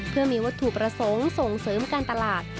เพื่อมีวัตถุประสงค์ส่งเสริมการตลาด